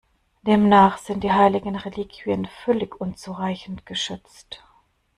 Demnach sind die heiligen Reliquien völlig unzureichend geschützt.